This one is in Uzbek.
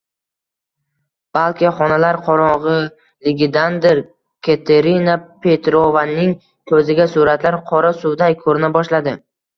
Balki xonalar qorongʻiligidandir, Katerina Petrovnaning koʻziga suratlar qora suvday koʻrina boshladi.